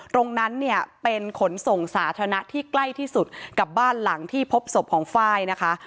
ตรงนั้นเนี่ยเป็นขนส่งสาธารณะที่ใกล้ที่สุดกับบ้านหลังที่พบศพของไฟล์นะคะ